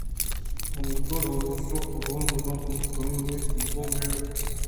انگتءَبناربس ءِکہولءِمردم ہم منی تب ءِ نئے اِت اَنت